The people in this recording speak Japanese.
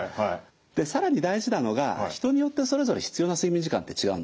更に大事なのが人によってそれぞれ必要な睡眠時間って違うんですよ。